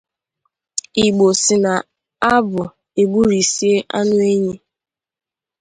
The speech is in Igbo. Igbo sị na-abụ e gburìsie anụ enyi